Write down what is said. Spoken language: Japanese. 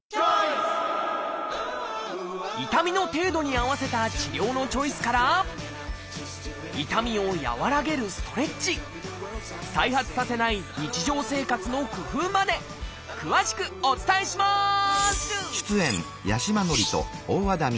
痛みの程度に合わせた治療のチョイスから痛みを和らげるストレッチ再発させない日常生活の工夫まで詳しくお伝えします！